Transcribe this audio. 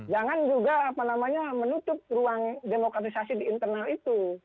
jangan juga apa namanya menutup ruang demokratisasi di internal itu